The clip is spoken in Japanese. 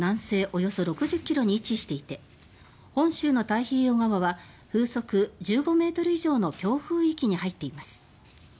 およそ６０ｋｍに位置していて本州の太平洋側は風速１５ｍ以上の強風域に入っています。